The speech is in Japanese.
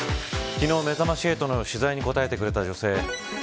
昨日、めざまし８の取材に答えてくれた女性。